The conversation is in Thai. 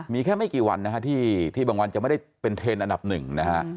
มีแค่ไม่กี่วันนะฮะที่บางวันจะไม่ได้เป็นเทรนดอันดับหนึ่งนะฮะ